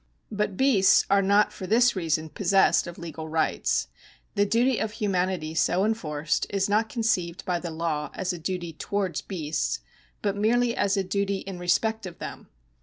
But beasts are not for this reason possessed of legal rights. The duty of humanity so enforced is not conceived by the law as a duty toivards beasts, but merely as a duty in respect of them.